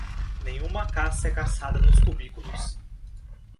Nenhuma caça é caçada nos cubículos!